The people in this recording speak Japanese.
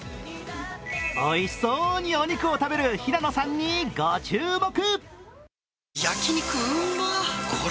おいしそうにお肉を食べる平野さんに注目。